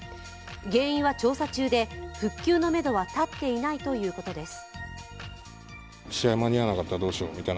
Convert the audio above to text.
原因は調査中で復旧のめどは立っていないということです。